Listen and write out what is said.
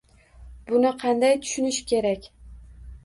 Buni qanday tushunish kerak?